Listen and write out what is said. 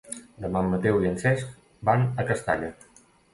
Demà en Mateu i en Cesc van a Castalla.